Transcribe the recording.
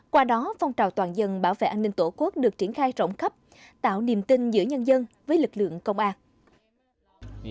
qua đó phong trào toàn dân bảo vệ an ninh tổ quốc được triển khai rộng khắp tạo niềm tin giữa nhân dân với lực lượng công an